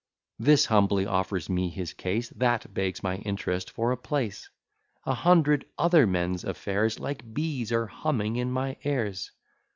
This humbly offers me his case; That begs my interest for a place; A hundred other men's affairs, Like bees, are humming in my ears.